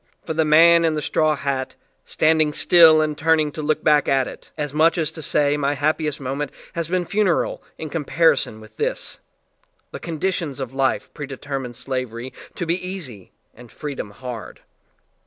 For the man in the straw hat, stand ing still and turning to look back at it as much as to say my happiest moment has been funereal in comparison with this, the con ditions of life pre determined slavery to be easy and freedom hard.